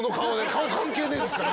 顔関係ないですから！